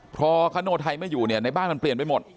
พอคโนไทยไม่อยู่เนี่ยในบ้านมันเปลี่ยนไปหมด